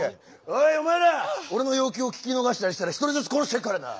おいお前ら俺の要求を聞き逃したりしたら１人ずつ殺してやるからな。